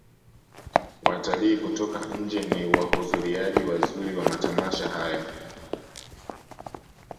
watalii kutoka nje ni wahuzuriaji wazuri wa matamasha hayo